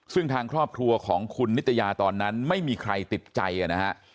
ซึ่งทางครอบครัวของคุณนิตยาตอนนั้นไม่มีใครติดใจนะฮะ